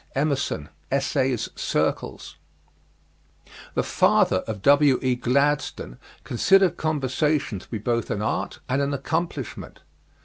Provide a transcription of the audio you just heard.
EMERSON, Essays: Circles. The father of W.E. Gladstone considered conversation to be both an art and an accomplishment.